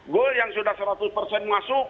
goal yang sudah seratus persen masuk